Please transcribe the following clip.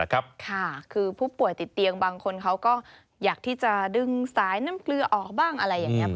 คือผู้ป่วยติดเตียงบางคนเขาก็อยากที่จะดึงสายน้ำเกลือออกบ้างอะไรอย่างนี้